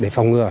để phòng ngừa